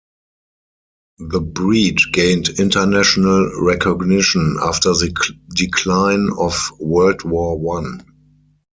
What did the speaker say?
The breed gained international recognition after the decline of World War One.